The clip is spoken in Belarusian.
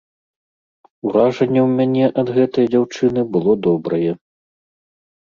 Уражанне ў мяне ад гэтай дзяўчыны было добрае.